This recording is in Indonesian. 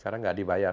karena gak dibayar